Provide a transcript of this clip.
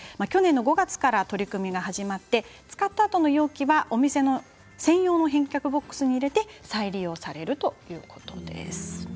去年の５月から取り組みが始まって、使ったあとの容器はお店にある専用の返却ボックスに入れて再利用されるということです。